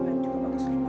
nanti gue pake selimut